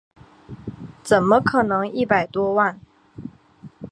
怎么可能一百多万